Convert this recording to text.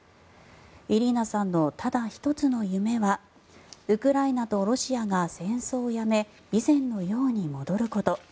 イリーナさんのただ一つの夢はウクライナとロシアが戦争をやめ以前のように戻ること。